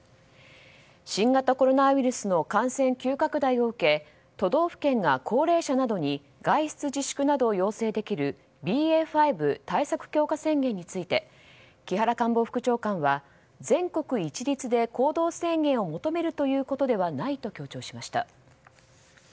新型コロナウイルスの感染急拡大を受け都道府県が高齢者などに外出自粛などを要請できるＢＡ．５対策強化宣言について木原官房副長官は全国一律で行動制限を求めるということではないと強調しました。